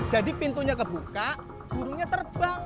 jadi pintunya kebuka burungnya terbang